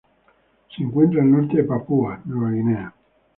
Se encuentra al norte de Papúa Nueva Guinea.